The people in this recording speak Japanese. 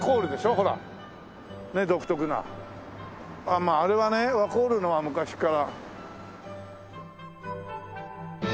まああれはねワコールのは昔っから。